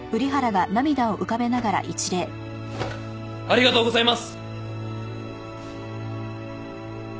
ありがとうございます！